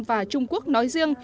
và trung quốc nói riêng